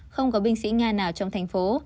không có binh sĩ nga nào trong thành phố